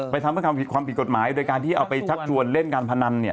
ทำเพื่อความผิดความผิดกฎหมายโดยการที่เอาไปชักชวนเล่นการพนันเนี่ย